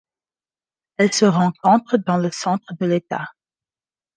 Elle se rencontre dans le centre de l'État.